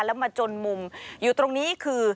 แล้วมาจนมุมอยู่ตรงนี้คือ